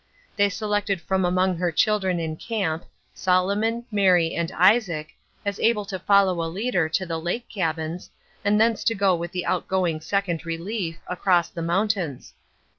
They selected from among her children in camp, Solomon, Mary, and Isaac, as able to follow a leader to the lake cabins, and thence to go with the outgoing Second Relief, across the mountains.